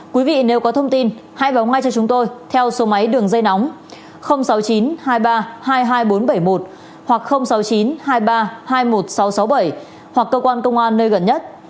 quý vị nếu có thông tin hãy báo ngay cho chúng tôi theo số máy đường dây nóng sáu mươi chín hai mươi ba hai mươi hai nghìn bốn trăm bảy mươi một hoặc sáu mươi chín hai mươi ba hai mươi một nghìn sáu trăm sáu mươi bảy hoặc cơ quan công an nơi gần nhất